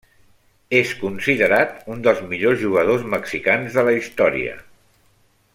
És considerat un dels millors jugadors mexicans de la història.